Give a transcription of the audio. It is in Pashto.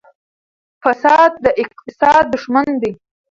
فساد د اقتصاد دښمن دی.